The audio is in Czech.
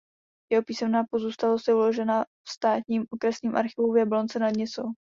Jeho písemná pozůstalost je uložena v Státním okresním archivu v Jablonci nad Nisou.